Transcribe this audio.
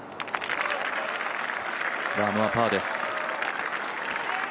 ラームはパーです。